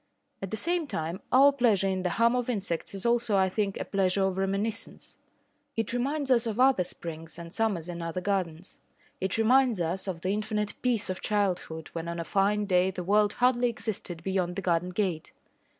At the same time, our pleasure in the hum of insects is also, I think, a pleasure of reminiscence. It reminds us of other springs and summers in other gardens. It reminds us of the infinite peace of childhood when on a fine day the world hardly existed beyond the garden gate.